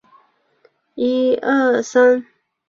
银穗草为禾本科银穗草属下的一个种。